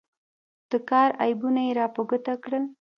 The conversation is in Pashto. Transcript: د کار عیبونه یې را په ګوته کړل.